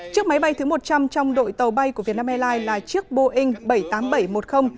chiếc máy bay thứ một trăm linh trong đội tàu bay của vietnam airlines là chiếc boeing bảy trăm tám mươi bảy một mươi